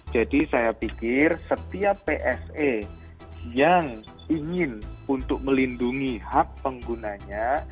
jadi saya pikir setiap bse yang ingin untuk melindungi hak penggunanya